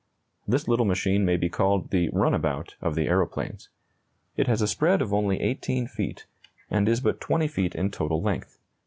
This little machine may be called the "runabout" of the aeroplanes. It has a spread of only 18 feet, and is but 20 feet in total length.